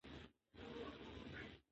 پښتو هویت پیاوړی کوي.